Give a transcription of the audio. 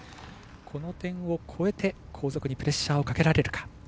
この点を超えて後続にプレッシャーをかけられるか。